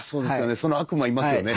その悪魔いますよね。